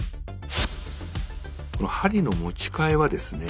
針の持ち替えはですね